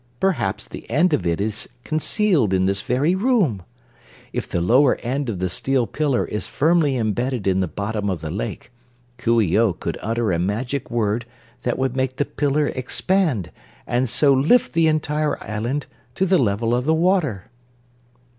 Perhaps the end of it is concealed in this very room. If the lower end of the steel pillar is firmly embedded in the bottom of the lake, Coo ee oh could utter a magic word that would make the pillar expand, and so lift the entire island to the level of the water."